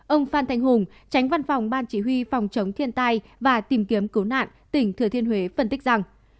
ông phan thanh hùng tránh văn phòng ban chỉ huy phòng chống thiên tai và tìm kiếm cứu nạn tỉnh thừa thiên huế phân tích rằng